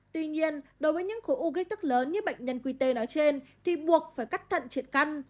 tuy nhiên đối với những khối u gây tức lớn như bệnh nhân qt nói trên thì buộc phải cắt thận triệt căn